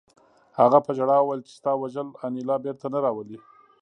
هغه په ژړا وویل چې ستا وژل انیلا بېرته نه راولي